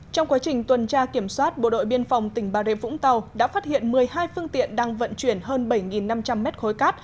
trong quá trình tuần tra kiểm soát bộ đội biên phòng tỉnh bà rịa vũng tàu đã phát hiện một mươi hai phương tiện đang vận chuyển hơn bảy năm trăm linh mét khối cát